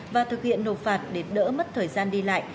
và thực hiện nộp phạt để đỡ mất thời gian đi lại